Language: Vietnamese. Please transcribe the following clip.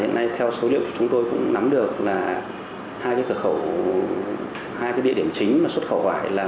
hiện nay theo số điểm chúng tôi cũng nắm được là hai địa điểm chính xuất khẩu vải là